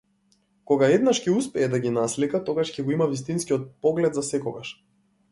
Кога еднаш ќе успее да ги наслика, тогаш ќе го има вистинскиот поглед засекогаш.